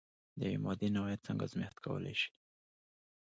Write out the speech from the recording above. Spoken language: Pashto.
د یوې مادې نوعیت څنګه ازميښت کولی شئ؟